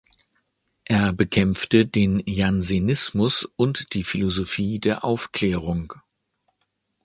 Er bekämpfte den Jansenismus und die Philosophie der Aufklärung.